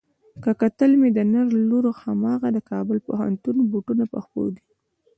که کتل مې د نر لور هماغه د کابل پوهنتون بوټونه په پښو دي.